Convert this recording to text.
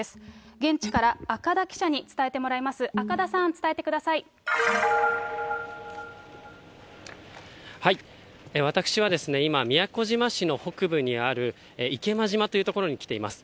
現地から赤田記者に伝えてもらいます、私は今、宮古島市の北部にある池間島という所に来ています。